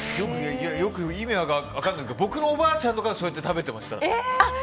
よく意味が分からないんだけど僕のおばあちゃんがそうやって食べてました。